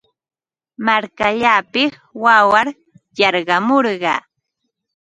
Markallaapiq waqar yarqamurqaa.